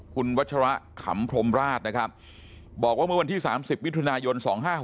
คุณวัชระขำพรมราชนะครับบอกว่าเมื่อวันที่๓๐มิถุนายน๒๕๖๖